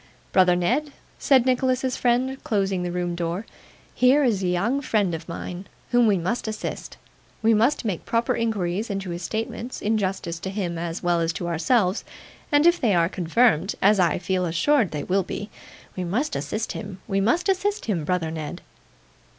'Brother Ned,' said Nicholas's friend, closing the room door, 'here is a young friend of mine whom we must assist. We must make proper inquiries into his statements, in justice to him as well as to ourselves, and if they are confirmed as I feel assured they will be we must assist him, we must assist him, brother Ned.